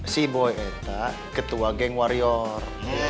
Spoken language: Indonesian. si boy itu ketua geng warior